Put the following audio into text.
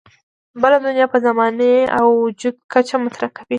بله دنیا په زماني او وجودي کچه مطرح ده.